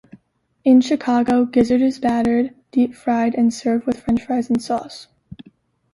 In Chicago, gizzard is battered, deep fried and served with French fries and sauce.